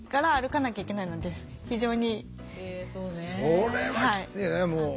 それはきついねもう。